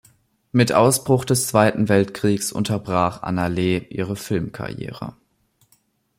Mit Ausbruch des Zweiten Weltkriegs unterbrach Anna Lee ihre Film-Karriere.